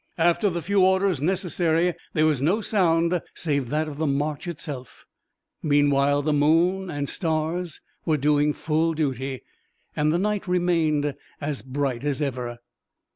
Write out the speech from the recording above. After the few orders necessary, there was no sound save that of the march itself. Meanwhile the moon and stars were doing full duty, and the night remained as bright as ever.